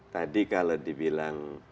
tadi kalau dibilang